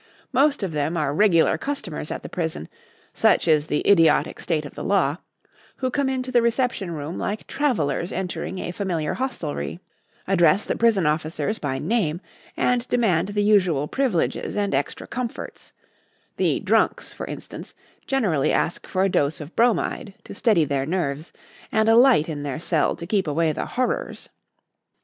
Most of them are regular customers at the prison such is the idiotic state of the law who come into the reception room like travellers entering a familiar hostelry, address the prison officers by name and demand the usual privileges and extra comforts the 'drunks,' for instance, generally ask for a dose of bromide to steady their nerves and a light in the cell to keep away the horrors.